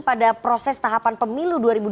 pada proses tahapan pemilu dua ribu dua puluh